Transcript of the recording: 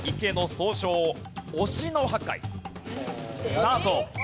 スタート。